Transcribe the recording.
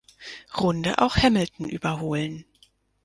Runde auch Hamilton überholen.